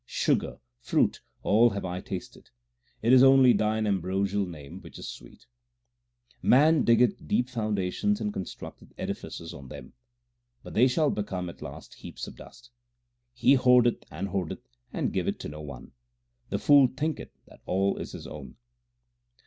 Sugar, fruit, all have I tasted ; it is only Thine ambrosial Name which is sweet. Man diggeth deep foundations and constructeth edifices on them, but they shall become at last heaps of dust. He hoardeth, and hoardeth, and giveth to no one ; the fool thinketh that all is his own.